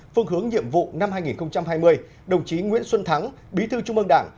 phương hướng nhiệm vụ năm hai nghìn hai mươi đồng chí nguyễn xuân thắng bí thư trung ương đảng